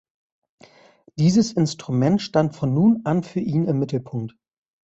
Dieses Instrument stand von nun an für ihn im Mittelpunkt.